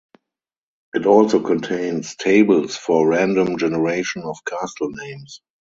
It also contains tables for random generation of castle names.